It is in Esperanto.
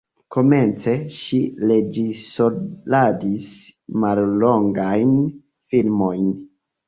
Komence ŝi reĝisoradis mallongajn filmojn.